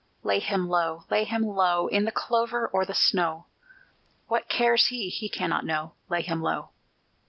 Lay him low, lay him low, In the clover or the snow! What cares he? he cannot know: Lay him low!